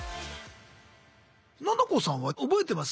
ななこさんは覚えてます？